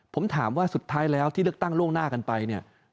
ผมถามว่าสุดท้ายแล้วที่เลือกตั้งล่วงหน้ากันไปเนี่ย